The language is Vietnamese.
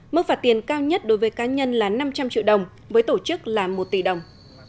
mức phạt tiền cao nhất đối với cá nhân là năm trăm linh triệu đồng với tổ chức là một tỷ đồng